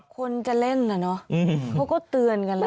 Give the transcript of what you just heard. คนจะเล่นน่ะเนอะเขาก็เตือนกันแล้ว